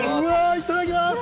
いただきます！